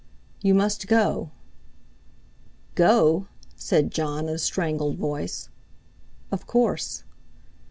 "You must go!" "Go?" said Jon in a strangled voice. "Of course."